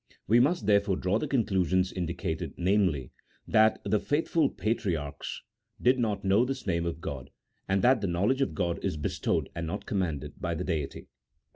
We must therefore draw the conclusion indicated, namely, that the faithful patriarchs did not know this name of God, and that the knowledge of God is bestowed and not commanded by the Deity.